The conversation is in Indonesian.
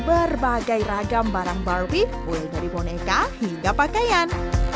berbagai ragam barang barbie mulai dari boneka hingga pakaian